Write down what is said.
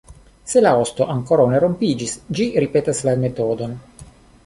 Se la osto ankoraŭ ne rompiĝis, ĝi ripetas la metodon.